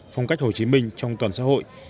phong cách hồ chí minh trong toàn xã hội